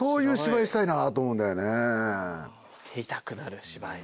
見ていたくなる芝居。